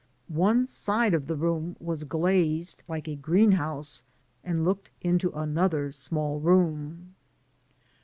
One side of the room was glazed like a green house, and looked into an* other small room.